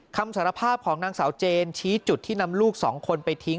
คำสารภาพของนางสาวเจนชี้จุดที่นำลูกสองคนไปทิ้ง